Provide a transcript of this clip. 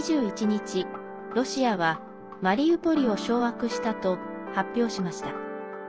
２１日、ロシアはマリウポリを掌握したと発表しました。